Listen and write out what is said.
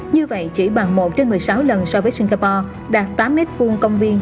như vậy chỉ bằng một trên một mươi sáu lần so với singapore đạt tám m hai công viên